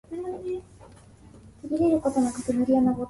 "Should I fear tanners and shoemakers?," he supposedly remarked.